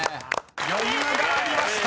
［余裕がありました。